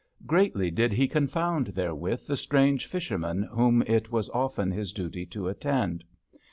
Greatly did he confound therewith the strange fishermen whom it was often his duty to attend.